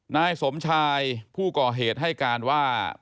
นายสมชายผู้ก่อเหตุให้การว่า